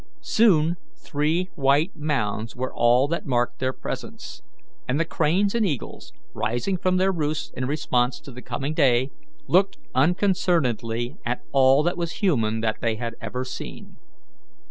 Soon three white mounds were all that marked their presence, and the cranes and eagles, rising from their roosts in response to the coming day, looked unconcernedly at all that was human that they had ever seen.